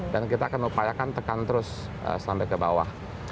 dan kita akan upayakan tekan terus sampai ke bawah